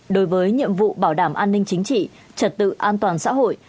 đối với nhiệm vụ bảo đảm an ninh chính trị trật tự an toàn xã hội